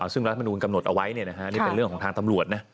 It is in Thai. ซึ่งรัฐมนุนกำหนดเอาไว้นี่เป็นเรื่องของทางตำรวจนะ